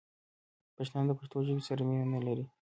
پښتانه دپښتو ژبې سره مینه نه لري